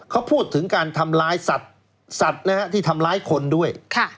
เขาพูดถึงการทำร้ายสัตว์ที่ทำร้ายคนด้วย